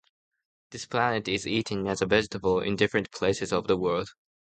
This plant is eaten as a vegetable in different places of the world.